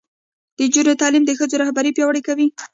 د نجونو تعلیم د ښځو رهبري پیاوړې کوي.